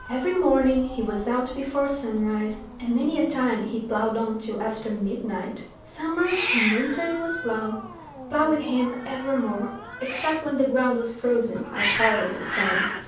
Every morning he was out before sunrise, and many a time he ploughed on till after midnight. Summer and winter it was plough, plough with him ever more, except when the ground was frozen as hard as a stone.